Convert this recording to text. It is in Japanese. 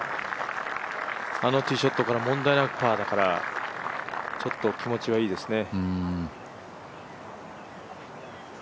あのティーショットから問題なくパーだからちょっと気持ちはいいですね。